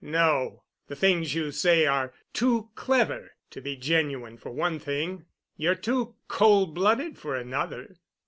"No. The things you say are too clever to be genuine for one thing. You're too cold blooded for another."